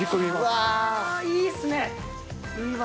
うわいいっすね。